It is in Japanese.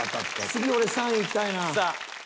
次俺３位いきたいな。